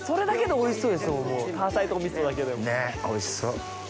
おいしそう！